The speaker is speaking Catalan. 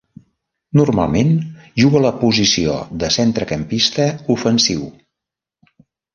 Normalment juga a la posició de centrecampista ofensiu.